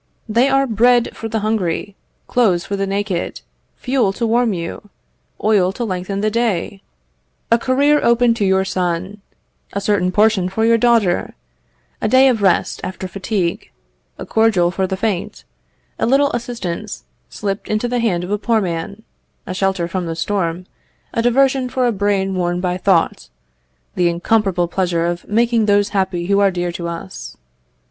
They are bread for the hungry, clothes for the naked, fuel to warm you, oil to lengthen the day, a career open to your son, a certain portion for your daughter, a day of rest after fatigue, a cordial for the faint, a little assistance slipped into the hand of a poor man, a shelter from the storm, a diversion for a brain worn by thought, the incomparable pleasure of making those happy who are dear to us.